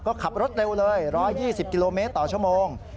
ก็ขับรถเร็วเลย๑๒๐กิโลเมตรต่อชั่วโมง